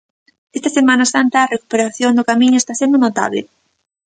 Esta Semana Santa a recuperación do Camiño está sendo notable.